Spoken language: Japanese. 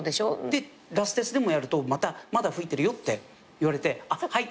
でラステスでもやるとまたまだ吹いてるよって言われてあっはい。